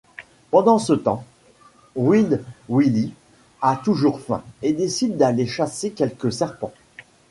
Pendant ce temps, Wild Willie a toujours faim et décide d'aller chasser quelques serpents.